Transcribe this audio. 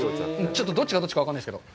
ちょっとどっちがどっちか分からないですけど。